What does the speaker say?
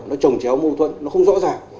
nó trồng chéo mâu thuẫn nó không rõ ràng